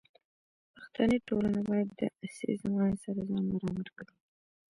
پښتني ټولنه باید د عصري زمانې سره ځان برابر کړي.